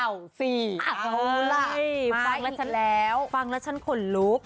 อุ๊ย๔๙๙๔มากเลยมาอีกแล้วฟังแล้วฉันขนลุก